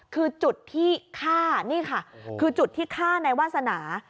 คือจุดที่ฆ่านี่ค่ะคือจุดที่ฆ่าในวาสนา